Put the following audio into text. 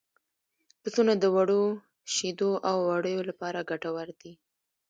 پسونه د وړو شیدو او وړیو لپاره ګټور دي.